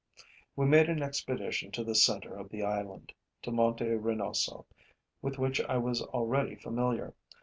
We made an expedition to the center of the island, to Monte Renoso, with which I was already familiar.